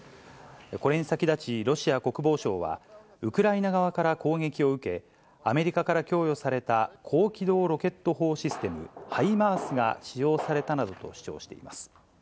これに先立ち、ロシア国防省は、ウクライナ側から攻撃を受け、アメリカから供与された高機動ロケット砲システム、ハイマースが使用されたなどと主張しています。